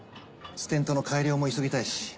ステントの改良も急ぎたいし。